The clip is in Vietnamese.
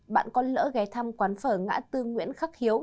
bạn con lỡ ghé thăm quán phở ngã tư nguyễn khắc hiếu